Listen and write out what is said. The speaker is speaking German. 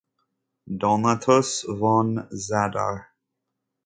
Donatus von Zadar.